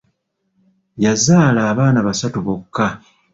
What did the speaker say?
Yazaala abaana basatu bokka.